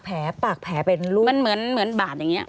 ปากแผลเป็นลูกมันเหมือนบาดอย่างนี้